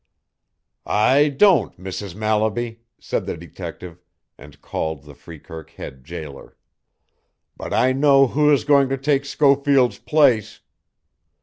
"I don't, Mrs. Mallaby," said the detective, and called the Freekirk Head jailer. "But I know who is going to take Schofield's place."